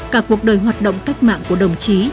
cả cuộc đời hoạt động cách mạng của đồng chí